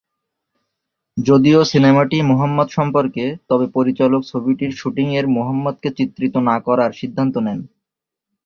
যদিও সিনেমাটি মুহাম্মদ সম্পর্কে, তবে পরিচালক ছবিটির শুটিংয়ের মুহাম্মদ কে চিত্রিত না করার সিদ্ধান্ত নেন।